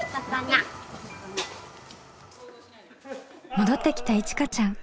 戻ってきたいちかちゃん。